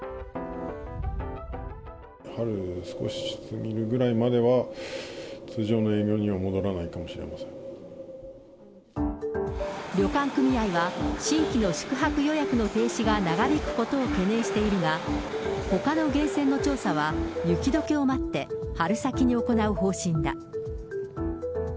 春を少し過ぎるぐらいまでは通常の営業には戻らないかもしれ旅館組合は、新規の宿泊予約の停止が長引くことを懸念しているが、ほかの源泉の調査は雪どけを待って春先に行う方針だ。